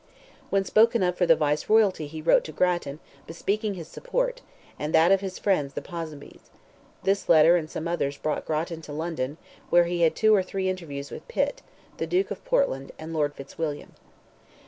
When spoken of for the Viceroyalty he wrote to Grattan, bespeaking his support, and that of "his friends, the Ponsonbys;" this letter and some others brought Grattan to London, where he had two or three interviews with Pitt, the Duke of Portland, and Lord Fitzwilliam.